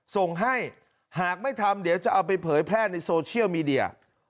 ส่งให้หากไม่ทำเดี๋ยวจะเอาไปเผยแพร่ในโซเชียลมีเดีย